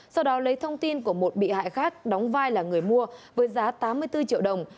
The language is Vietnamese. sau đó lấy thông tin của một bị hại khác đóng vai là người mua với giá tám mươi bốn triệu đồng